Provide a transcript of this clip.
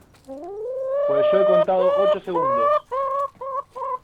pues yo he contado ocho segundos.